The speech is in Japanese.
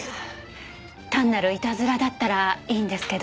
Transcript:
単なるいたずらだったらいいんですけど。